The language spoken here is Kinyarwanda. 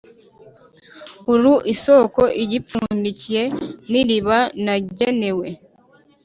uri isoko igipfundikiye n’iriba nagenewe.